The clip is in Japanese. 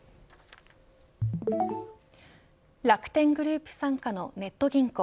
楽天グループ傘下のネット銀行